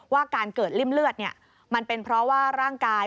ว่าการเกิดริ่มเลือดมันเป็นเพราะว่าร่างกาย